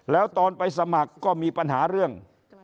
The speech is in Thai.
แล้วตอนไปสมัครก็มีปัญหาเรื่อง